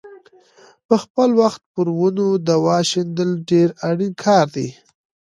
په خپل وخت پر ونو دوا شیندل ډېر اړین کار دی.